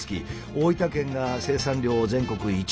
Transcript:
大分県が生産量全国１位。